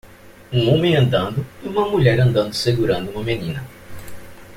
um homem andando e uma mulher andando segurando uma menina